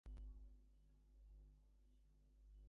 It is one of the six distilleries in the Lowland region.